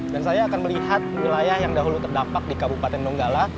dan saya akan melihat wilayah yang dahulu terdampak di kabupaten nonggala